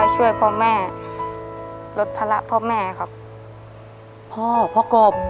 ช่วยพ่อแม่ลดภาระพ่อแม่ครับพ่อพ่อกบ